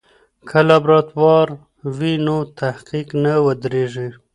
که لابراتوار وي نو تحقیق نه ودریږي.